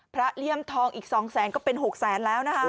เลี่ยมทองอีก๒แสนก็เป็น๖แสนแล้วนะคะ